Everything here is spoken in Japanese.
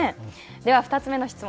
では、２つ目の質問。